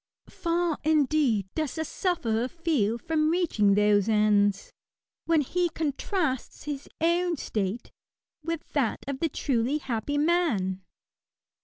Far, indeed, does the sufferer feel from reaching those ends, when he contrasts his own state with that of the truly happy man.